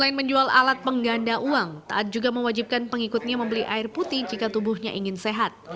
selain menjual alat pengganda uang taat juga mewajibkan pengikutnya membeli air putih jika tubuhnya ingin sehat